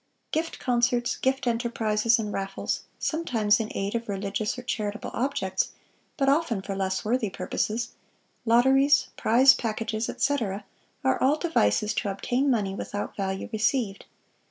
Gift concerts, gift enterprises and raffles, sometimes in aid of religious or charitable objects, but often for less worthy purposes, lotteries, prize packages, etc., are all devices to obtain money without value received.